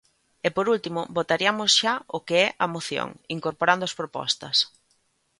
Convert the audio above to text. E, por último, votariamos xa o que é a moción, incorporando as propostas.